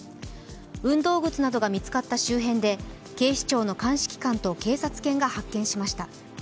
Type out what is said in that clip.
運動靴などが見つかった周辺で警視庁の鑑識官と警察犬が発見しました。